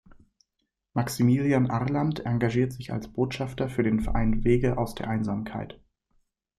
Maximilian Arland engagiert sich als Botschafter für den Verein Wege aus der Einsamkeit.